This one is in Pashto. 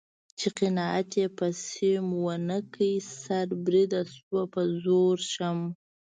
چې قناعت یې په سیم و نه کړ سر بریده شوه په زرو شمع